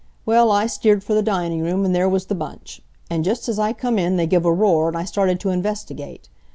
Well, I steered for the dining room, an' there was the bunch. An' just as I come in they give a roar, and I started to investigate.